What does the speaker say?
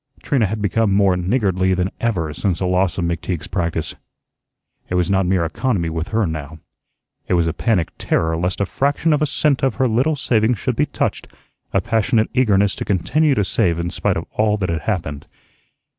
Trina had become more niggardly than ever since the loss of McTeague's practice. It was not mere economy with her now. It was a panic terror lest a fraction of a cent of her little savings should be touched; a passionate eagerness to continue to save in spite of all that had happened.